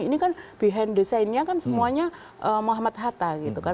ini kan behind the scene nya kan semuanya muhammad hatta